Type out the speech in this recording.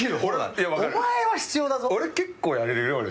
いやお前は必要だ。